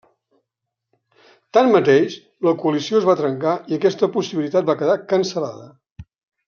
Tanmateix, la coalició es va trencar i aquesta possibilitat va quedar cancel·lada.